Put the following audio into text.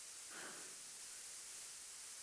La edificación está reforzada por unas torretas.